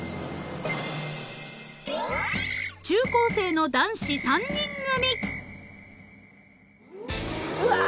［中高生の男子３人組］